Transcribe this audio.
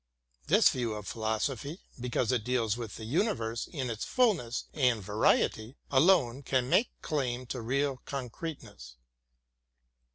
This view of philosophy, because it deals with the universe in its fulness and variety, alone can make claim to real con creteness.